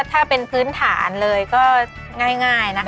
ถ้าเป็นพื้นฐานเลยก็ง่ายนะคะ